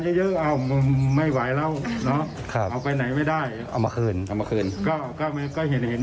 แต่มันไม่ได้ลึก